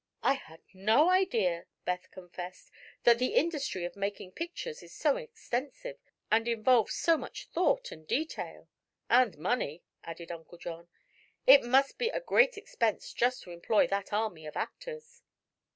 "I had no idea," Beth confessed, "that the industry of making pictures is so extensive and involves so much thought and detail." "And money," added Uncle John. "It must be a great expense just to employ that army of actors."